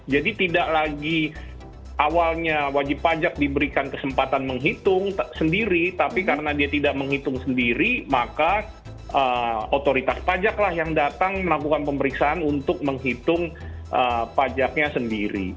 jadi tidak lagi awalnya wajib pajak diberikan kesempatan menghitung sendiri tapi karena dia tidak menghitung sendiri maka otoritas pajak lah yang datang melakukan pemeriksaan untuk menghitung pajaknya sendiri